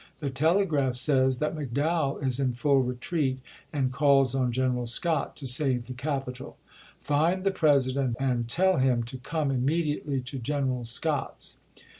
The telegraph says that McDowell is in full retreat, and calls on General Scott to save the capital. Find the President and tell him to come imme diately to General Scott's."